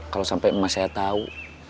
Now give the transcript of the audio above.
kalau sampai emas saya tahu